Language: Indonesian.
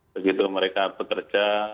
begitu mereka bekerja